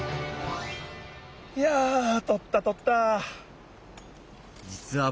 いやとったとった！